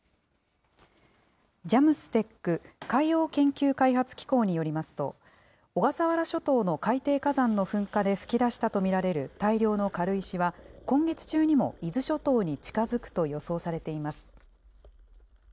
ＪＡＭＳＴＥＣ・海洋研究開発機構によりますと、小笠原諸島の海底火山の噴火で噴き出したと見られる大量の軽石は、今月中にも伊豆諸島に近づくと予想されています。